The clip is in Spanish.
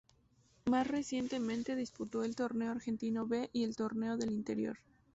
Más recientemente disputó el Torneo Argentino B y el Torneo del Interior.